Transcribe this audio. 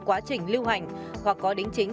quá trình lưu hành hoặc có đính chính